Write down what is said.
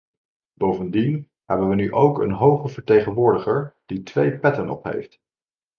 Bovendien hebben we nu ook een hoge vertegenwoordiger, die twee petten op heeft.